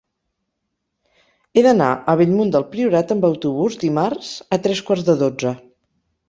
He d'anar a Bellmunt del Priorat amb autobús dimarts a tres quarts de dotze.